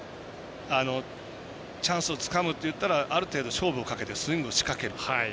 チャンスをつかむといったらある程度勝負をかけてスイングを仕掛ける。